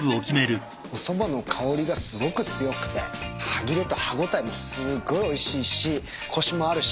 おそばの香りがすごく強くて歯切れと歯応えもすごいおいしいしコシもあるし。